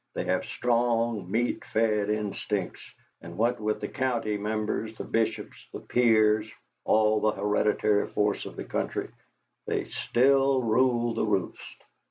They have strong, meat fed instincts, and what with the county Members, the Bishops, the Peers, all the hereditary force of the country, they still rule the roast.